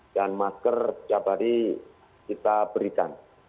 dan masker setiap hari kita berikan